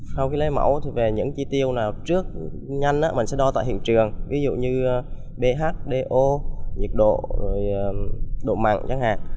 sau khi lấy mẫu về những chi tiêu nào trước nhanh mình sẽ đo tại hiện trường ví dụ như dh do nhiệt độ độ mặn chẳng hạn